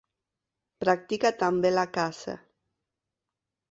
Practica també la caça.